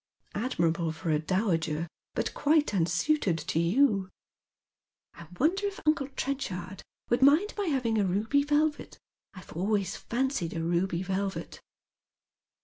" Admirable for a dowager, but quite unsuited to you." " 1 wonder if uncle Trenchard would mind my having a ruby velvet ? I have always fancied a ruby velvet."